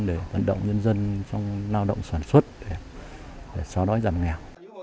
để vận động nhân dân trong lao động sản xuất để xóa đói giảm nghèo